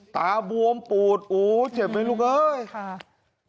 ตาบวมปูดโอ้เจ็บไหมลูกเอ้ยค่ะ